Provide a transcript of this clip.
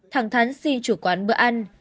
thẳng thắn xin chủ quán bữa ăn